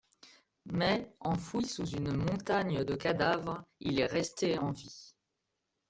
Mais, enfoui sous une montagne de cadavres, il est resté en vie.